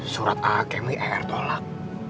surat alkemi er tolak